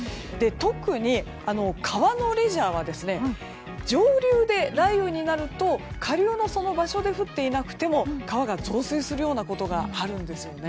特に、川のレジャーは上流で雷雨になると下流の場所で降っていなくても川が増水することがあるんです。